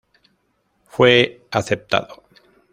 Fue aceptado.